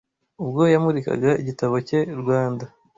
ubwo yamurikaga igitabo cye ‘Rwanda